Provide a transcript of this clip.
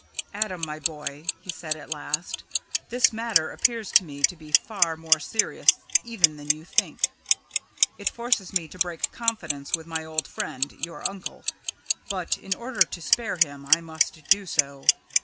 "Adam, my boy," he said at last, "this matter appears to me to be far more serious even than you think. It forces me to break confidence with my old friend, your uncle but, in order to spare him, I must do so.